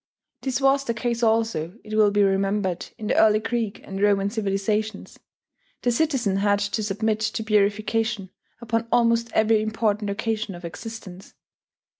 This was the case also, it will be remembered in the early Greek and Roman civilizations the citizen had to submit to purification upon almost every important occasion of existence.